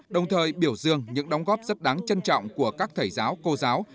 đồng thời biểu dương những đóng góp rất đáng trân trọng của các thầy giáo cô giáo